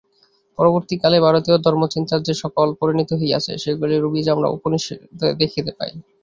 পরবর্তী কালে ভারতীয় ধর্মচিন্তার যে-সকল পরিণতি হইয়াছে, সেগুলিরও বীজ আমরা উপনিষদে দেখিতে পাই।